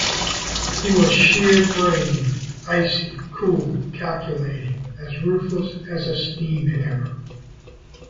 He was sheer brain, icy, cool, calculating, as ruthless as a steam hammer.